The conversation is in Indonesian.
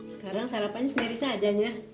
sekarang sarapan sendiri saja ya